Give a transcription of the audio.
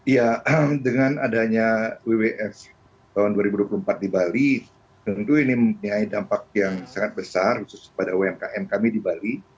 ya dengan adanya wwf tahun dua ribu dua puluh empat di bali tentu ini memiliki dampak yang sangat besar khusus pada umkm kami di bali